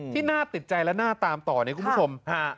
ที่น่าติดใจและน่าตามต่อเนี่ยคุณผู้ชม